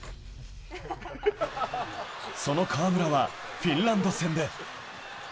その河村はフィンランド戦で。